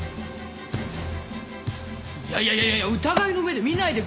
いやいやいやいや疑いの目で見ないでくださいよ。